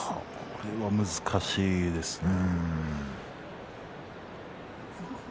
これは難しいですね。